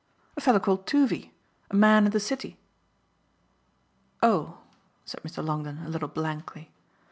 "A fellow called Toovey. A man in the City." "Oh!" said Mr. Longdon a little blankly.